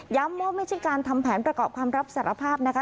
ว่าไม่ใช่การทำแผนประกอบคำรับสารภาพนะคะ